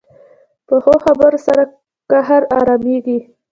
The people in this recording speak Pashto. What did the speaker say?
پخو خبرو سره قهر ارامېږي